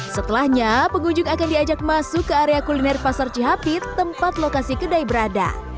setelahnya pengunjung akan diajak masuk ke area kuliner pasar cihapit tempat lokasi kedai berada